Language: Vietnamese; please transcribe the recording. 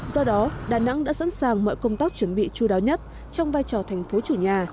do đó đà nẵng đã sẵn sàng mọi công tác chuẩn bị chú đáo nhất trong vai trò thành phố chủ nhà